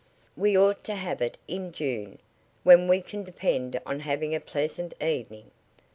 We ought to have it in June, when we can depend on having a pleasant evening.